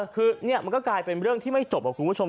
คือนี่มันก็กลายเป็นเรื่องที่ไม่จบครับคุณผู้ชม